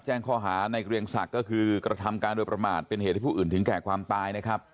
แจ้งข้อหาในเกรียงศักดิ์ก็คือกระทำการโดยประมาทเป็นเหตุให้ผู้อื่นถึงแก่ความตายนะครับ